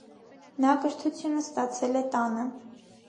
Նա կրթությունն ստացել է տանը։